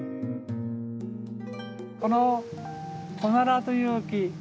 このコナラという木